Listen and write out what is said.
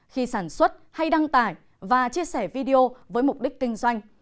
khi sản xuất hay đăng tải và chia sẻ video với mục đích kinh doanh